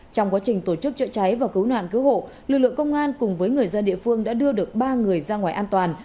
trong quá trình tổ chức chữa cháy và cứu nạn cứu hộ lực lượng công an cùng với người dân địa phương đã đưa được ba người ra ngoài an toàn